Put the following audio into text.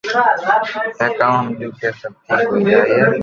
ٿي ڪاوُ ھمجيو ڪي سب ٺيڪ ھوئي جائي